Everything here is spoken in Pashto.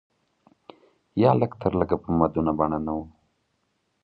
یا لږ تر لږه په مدونه بڼه نه و.